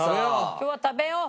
今日は食べよう。